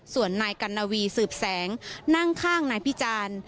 ส่วนนายกัณวีสืบแสงนั่งข้างนายพิจารณ์